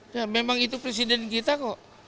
ya memang itu presiden kita kok